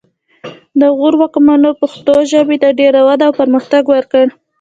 د غور واکمنو پښتو ژبې ته ډېره وده او پرمختګ ورکړ